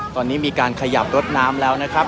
ตอนนี้มีการขยับรถน้ำแล้วนะครับ